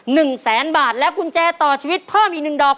หนึ่งแสนบาทและกุญแจต่อชีวิตเพิ่มอีกหนึ่งดอก